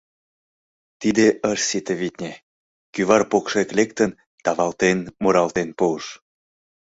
Тиде ыш сите, витне, кӱвар покшек лектын, тавалтен муралтен пуыш: